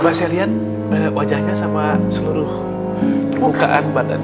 coba saya lihat wajahnya sama seluruh permukaan badan